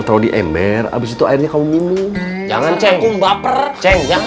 sebelah ini gak ada ac